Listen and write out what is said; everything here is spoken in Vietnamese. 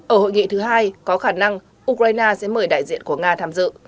ở hội nghị thứ hai có khả năng ukraine sẽ mời đại diện của nga tham dự